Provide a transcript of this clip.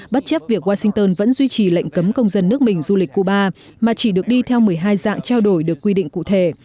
bất chấp việc washington vẫn duy trì lệnh cấm công dân nước mình du lịch cuba mà chỉ được đi theo một mươi hai dạng trao đổi được quy định cụ thể